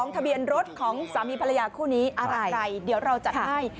ทะเบียนรถของสามีภรรยาคู่นี้อะไรเดี๋ยวเราจัดให้